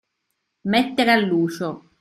Mettere all'uscio.